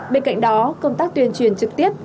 bên cạnh đó công tác tuyên truyền trực tiếp